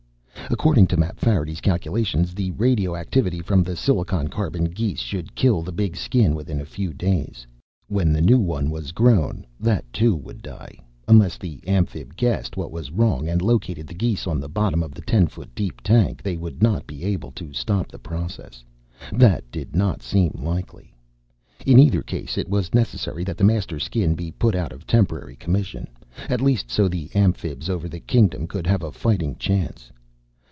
According to Mapfarity's calculations, the radio activity from the silicon carbon geese should kill the big Skin within a few days. When a new one was grown, that, too, would die. Unless the Amphib guessed what was wrong and located the geese on the bottom of the ten foot deep tank, they would not be able to stop the process. That did not seem likely. In either case, it was necessary that the Master Skin be put out of temporary commission, at least, so the Amphibs over the Kingdom could have a fighting chance.